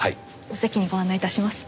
お席にご案内致します。